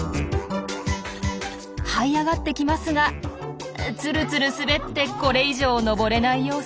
はい上がってきますがつるつる滑ってこれ以上登れない様子。